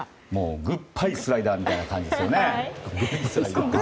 グッバイスライダーみたいな感じですよね。